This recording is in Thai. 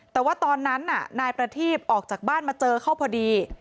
แต่ว่าตอนนั้นน่ะนายประทีบออกจากบ้านมาเจอเขาพอดี